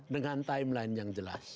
dengan timeline yang jelas